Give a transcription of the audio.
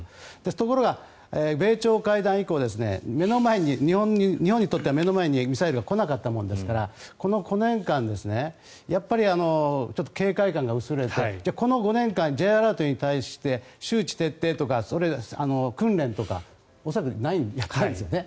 ところが米朝会談以降日本にとっては目の前にミサイルが来なかったものですからこの５年間やっぱり警戒感が薄れてじゃあ、この５年間Ｊアラートに対して周知徹底とか訓練とか恐らくやってないんですよね。